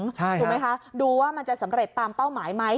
ถูกไหมคะดูว่ามันจะสำเร็จตามเป้าหมายไหม